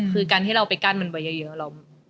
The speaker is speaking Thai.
คือการที่เราไปกั้นมันไว้เยอะ